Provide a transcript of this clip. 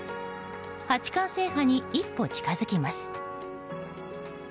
八冠制覇に一歩近づきます。